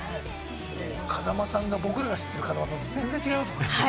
風間さんが僕らの知ってる風間さんとは全然違いますからね。